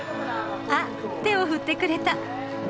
あっ手を振ってくれた。